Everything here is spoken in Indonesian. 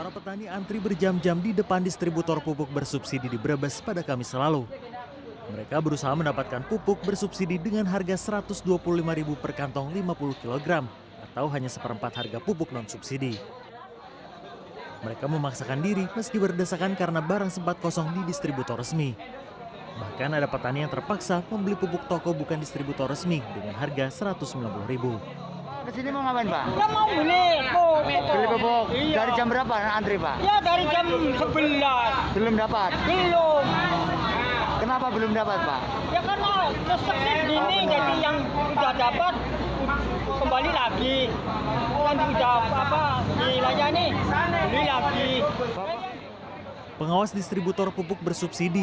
pengawas distributor pupuk bersubsidi